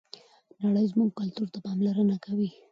نړۍ زموږ کلتور ته پاملرنه کوي.